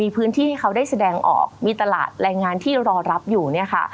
แปลงออกวิตลาดแรงงานที่รอรับอยู่